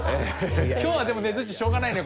今日はでもねづっちしょうがないね。